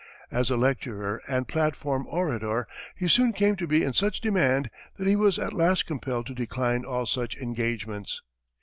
As a lecturer and platform orator he soon came to be in such demand that he was at last compelled to decline all such engagements.